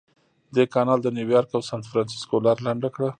دې کانال د نیویارک او سانفرانسیسکو لاره لنډه کړه.